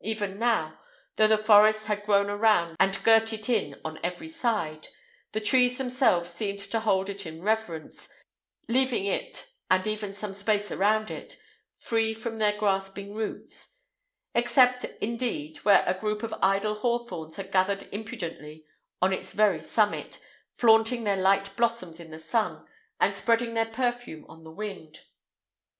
Even now, though the forest had grown round and girt it in on every side, the trees themselves seemed to hold it in reverence, leaving it, and even some space round it, free from their grasping roots; except, indeed, where a group of idle hawthorns had gathered impudently on its very summit, flaunting their light blossoms to the sun, and spreading their perfume on the wind.